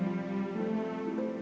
aku akan mencoba